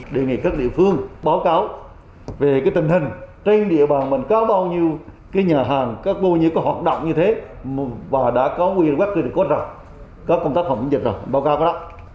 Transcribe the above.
đề nghị các địa phương báo cáo về cái tình hình trên địa bàn mình có bao nhiêu cái nhà hàng có bao nhiêu cái hoạt động như thế và đã có qr code rồi có công tác phòng chống dịch rồi báo cáo cái đó